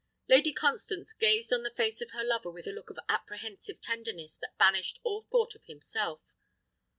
Lady Constance gazed on the face of her lover with a look of apprehensive tenderness that banished all thought of himself.